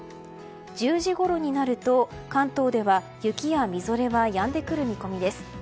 １０時ごろになると関東では雪やみぞれはやんでくる見込みです。